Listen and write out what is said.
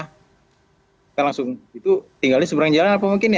kita langsung itu tinggal di seberang jalan apa mungkin ya